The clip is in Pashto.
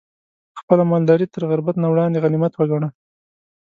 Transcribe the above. خپله مالداري تر غربت نه وړاندې غنيمت وګڼه